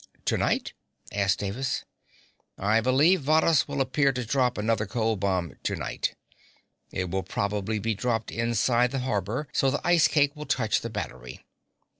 "To night?" asked Davis. "I believe Varrhus will appear to drop another cold bomb to night. It will probably be dropped inside the harbor so the ice cake will touch the Battery.